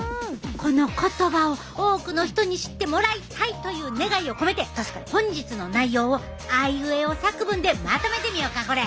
この言葉を多くの人に知ってもらいたいという願いを込めて本日の内容をあいうえお作文でまとめてみようかこれ。